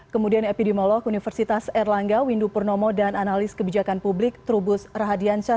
kemudian epidemiolog universitas erlangga windu purnomo dan analis kebijakan publik trubus rahadiansyah